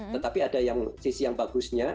tetapi ada yang sisi yang bagusnya